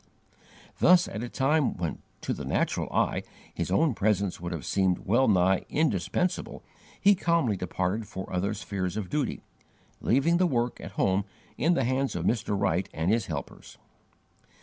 Thus, at a time when, to the natural eye, his own presence would have seemed well nigh indispensable, he calmly departed for other spheres of duty, leaving the work at home in the hands of Mr. Wright and his helpers.